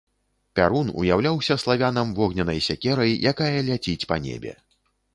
Пярун уяўляўся славянам вогненнай сякерай, якая ляціць па небе.